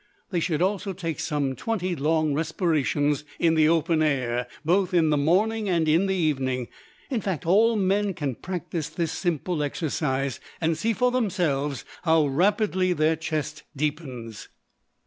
They should also take some twenty long respirations in the open air, both in the morning and in the evening. In fact, all men can practise this simple exercise and see for themselves how rapidly their chest deepens.